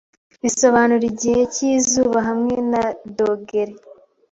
bisobanura igihe cy'izubahamwe na dogere